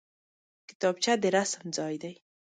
کتابچه د رسم ځای دی